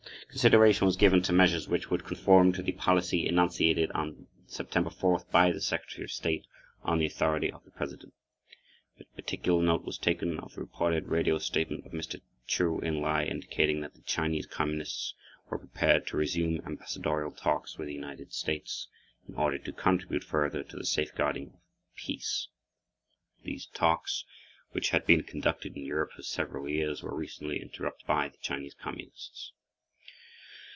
Consideration was given to measures which would conform to the policy enunciated on September 4 by the Secretary of State on the authority of the President. But particular note was taken of the reported radio statement of Mr. Chou En lai indicating that the Chinese Communists were prepared to resume ambassadorial talks with the United States "in order to contribute further to the safeguarding of peace." These talks, which had been conducted in Europe for several years, were recently interrupted by the Chinese Communists.